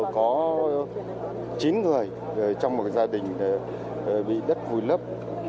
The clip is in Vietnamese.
có chín người trong một gia đình bị đất vùi lấp